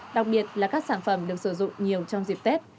đặc biệt là các sản phẩm được sử dụng nhiều trong dịp tết